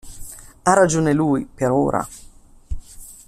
Ha ragione lui, per ora.